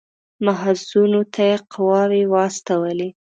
محاذونو ته یې قواوې واستولې.